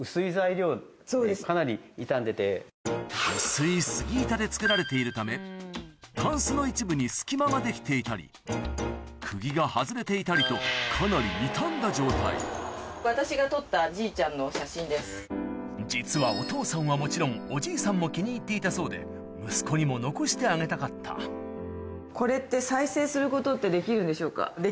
薄い杉板で作られているためタンスの一部に隙間ができていたり釘が外れていたりとかなり傷んだ状態実はお父さんはもちろんおじいさんも気に入っていたそうで息子にも残してあげたかったこれって。